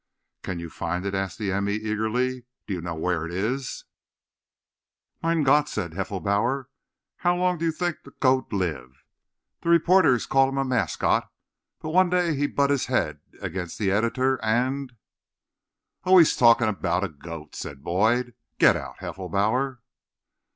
"Can you find it?" asked the m. e. eagerly. "Do you know where it is?" "Mein Gott!" said Heffelbauer. "How long you dink a code live? Der reborters call him a maskeet. But von day he butt mit his head der editor, und—" "Oh, he's talking about a goat," said Boyd. "Get out, Heffelbauer."